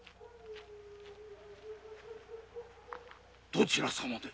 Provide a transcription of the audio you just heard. どちら様で？